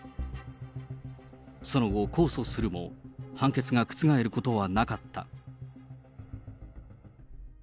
その後、控訴するも、判決が覆ることはなかった。